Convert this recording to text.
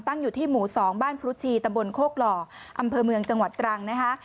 อยู่ที่หมู่๒บ้านพรุชีตะบนโคกหล่ออำเภอเมืองจังหวัดตรังนะคะ